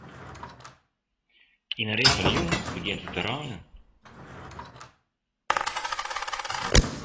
Yn 'e rin fan 'e jûn begjint it te reinen.